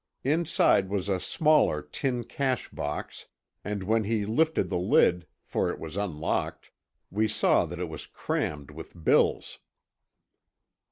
Inside was a smaller tin cash box and when he lifted the lid, for it was unlocked, we saw that it was crammed with bills.